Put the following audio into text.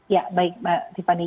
ya baik mbak tiffany